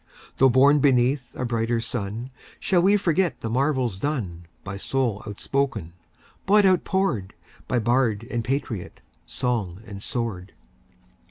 Though born beneath a brighter sun, Shall we forget the marvels done, By soul outspoken, blood outpoured, By bard and patriot, song and sword?